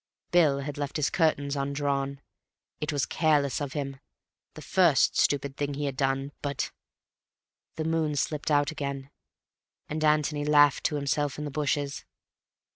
Bill had left his curtains undrawn. It was careless of him; the first stupid thing he had done, but— The moon slipped out again.... and Antony laughed to himself in the bushes.